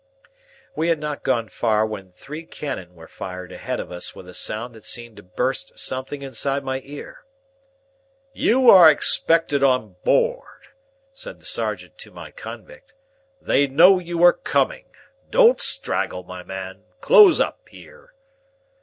We had not gone far when three cannon were fired ahead of us with a sound that seemed to burst something inside my ear. "You are expected on board," said the sergeant to my convict; "they know you are coming. Don't straggle, my man. Close up here."